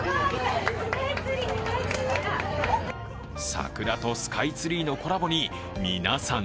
桜とスカイツリーのコラボに皆さん